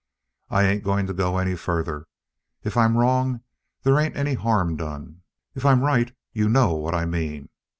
I ain't going to go any further. If I'm wrong, they ain't any harm done; if I'm right, you know what I mean.